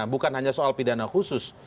bukan hanya soal pidana khusus